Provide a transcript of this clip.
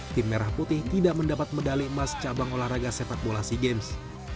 tim merah putih tidak mendapat medali emas cabang olahraga sepak bola sea games